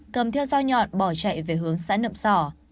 cầm theo dao nhọn bỏ chạy về hướng xã nậm sỏ